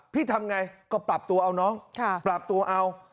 ทำไงก็ปรับตัวเอาน้องปรับตัวเอา